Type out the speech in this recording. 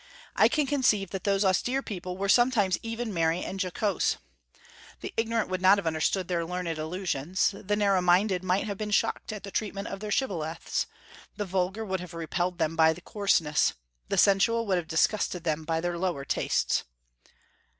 I can conceive that those austere people were sometimes even merry and jocose. The ignorant would not have understood their learned allusions; the narrow minded might have been shocked at the treatment of their shibboleths; the vulgar would have repelled them by coarseness; the sensual would have disgusted them by their lower tastes.